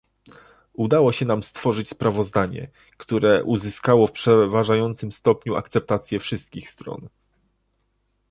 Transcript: Udało się nam stworzyć sprawozdanie, które uzyskało w przeważającym stopniu akceptację wszystkich stron